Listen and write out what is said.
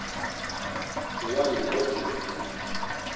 Ǩulani kodzirit.